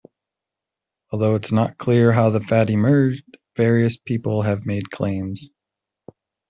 Although it's not clear how the fad emerged, various people have made claims.